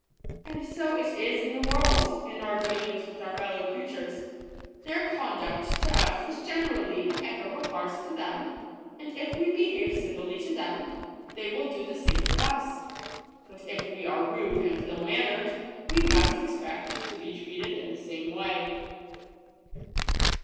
And so it is in the world, in our dealings with our fellow creatures. Their conduct to us is ge nerally an echo of ours to them ; and if we behave civilly to them, they will do the same to us. But if we are rude and ill mannered, we must expect to be treated in the same way."